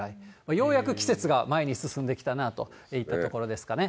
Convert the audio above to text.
ようやく季節が前に進んできたなといったところですかね。